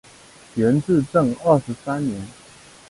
元至正二十三年。